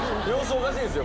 おかしいんすよ